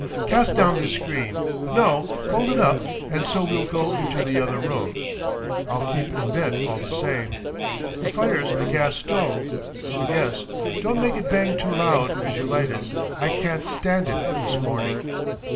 Cast down this screen—no—fold it up and so we'll go into the other room. I'll keep in bed all the same. The fire's a gas stove. Yes. Don't make it bang. too loud as you light it—I can't stand it this morning.